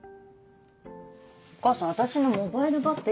お母さん私のモバイルバッテリー。